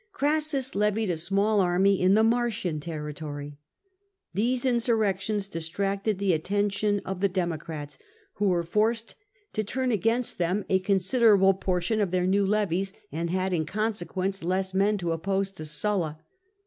Crassus levied a small army in the Mar sian territory. These insurrections distracted the atten tion of the Democrats, who were forced to turn against SULLA 142 them a considerable portion of their new levies, and had in consequence less men to oppose to Sulla.